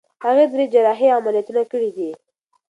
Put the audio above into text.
هغې درې جراحي عملیاتونه کړي دي.